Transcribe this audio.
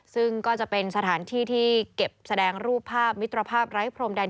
ซึ่งก็จะเป็นสถานที่ที่เก็บแสดงรูปภาพมิตรภาพไร้พรมแดน